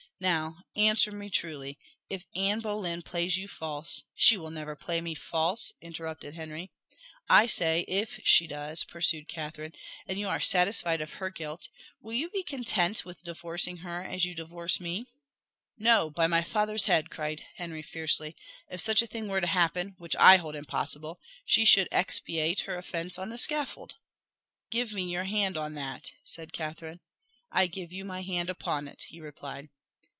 Now, answer me truly if Anne Boleyn plays you false " "She never will play me false!" interrupted Henry. "I say if she does," pursued Catherine, "and you are satisfied of her guilt, will you be content with divorcing her as you divorce me?" "No, by my father's head!" cried Henry fiercely. "If such a thing were to happen, which I hold impossible, she should expiate her offence on the scaffold." "Give me your hand on that," said Catherine. "I give you my hand upon it," he replied.